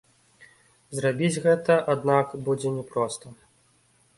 Зрабіць гэта, аднак, будзе не проста.